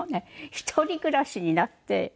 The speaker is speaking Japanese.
一人暮らしになって。